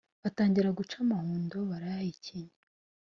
batangira guca amahundo barayahekenya .